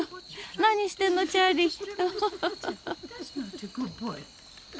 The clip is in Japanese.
何してんの、チャーリー。